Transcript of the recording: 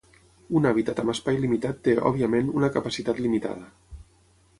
Un hàbitat amb espai limitat té, òbviament, una capacitat limitada.